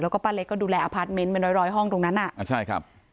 แล้วก็ป้าเล็กก็ดูแลอพาร์ทเมนต์เป็นร้อยห้องตรงนั้น